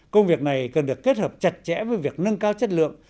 công việc này cần được kết hợp chặt chẽ với việc nâng cao chất lượng